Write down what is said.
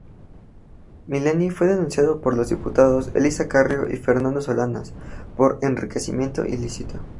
Milani fue denunciado por los diputados Elisa Carrió y Fernando Solanas por enriquecimiento ilícito.